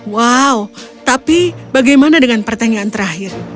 wow tapi bagaimana dengan pertanyaan terakhir